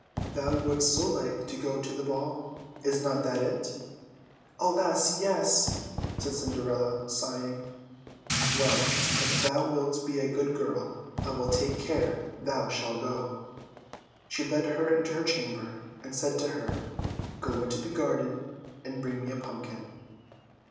"Thou wouldst so like to go to the ball Is not that it?" "Alas! yes," said Cinderella, sighing. "Well, if thou wilt be a good girl, I will take care thou shalt go." She led her into her chamber, and said to her, "Go into the garden and bring me a pumpkin."